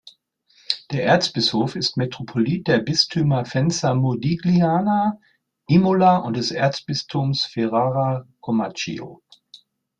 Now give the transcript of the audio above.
Der Erzbischof ist Metropolit der Bistümer Faenza-Modigliana, Imola und des Erzbistums Ferrara-Comacchio.